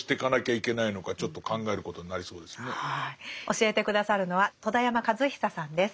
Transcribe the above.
教えて下さるのは戸田山和久さんです。